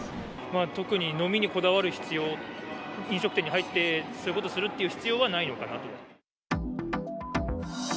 特に飲みにこだわる必要、飲食店に入って、そういうことするっていう必要はないのかなとは。